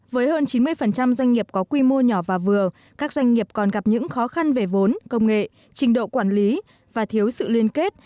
với hơn chín mươi doanh nghiệp có quy mô nhỏ và vừa các doanh nghiệp còn gặp những khó khăn về vốn công nghệ trình độ quản lý và thiếu sự liên kết